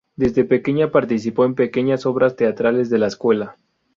Desde pequeña participó en pequeñas obras teatrales de la escuela.